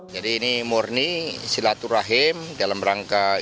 jadi ini murni silaturahim dalam rangka yang berbeda